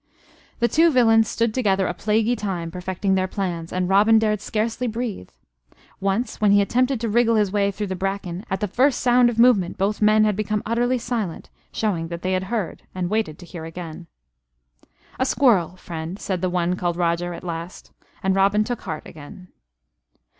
The two villains stood together a plaguey time perfecting their plans, and Robin dared scarcely breathe. Once, when he attempted to wriggle his way through the bracken, at the first sound of movement both men had become utterly silent, showing that they had heard and waited to hear again. "A squirrel, friend," said the one called Roger at last, and Robin took heart again.